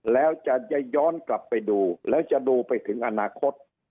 แล้วจะย้อนกลับไปดูแล้วจะดูไปถึงอนาคต